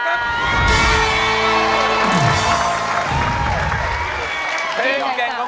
ร้องได้ให้ร้าน